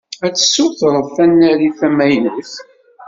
Ad tessutred tanarit tamaynut.